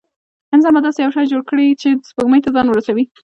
انسان به داسې یو شی جوړ کړي چې سپوږمۍ ته ځان ورسوي.